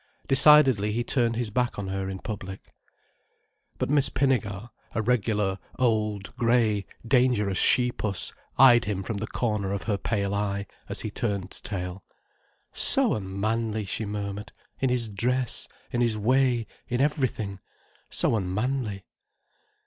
Decidedly he turned his back on her in public. But Miss Pinnegar, a regular old, grey, dangerous she puss, eyed him from the corner of her pale eye, as he turned tail. "So unmanly!" she murmured. "In his dress, in his way, in everything—so unmanly."